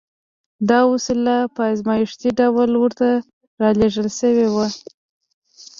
دا وسيله په ازمايښتي ډول ورته را لېږل شوې وه.